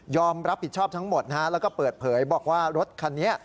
รับผิดชอบทั้งหมดนะฮะแล้วก็เปิดเผยบอกว่ารถคันนี้